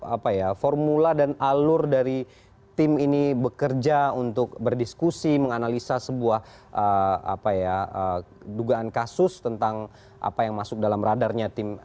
apa ya formula dan alur dari tim ini bekerja untuk berdiskusi menganalisa sebuah dugaan kasus tentang apa yang masuk dalam radarnya tim